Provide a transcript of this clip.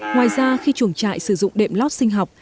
ngoài ra khi chuồng trại sử dụng đệm lót sinh học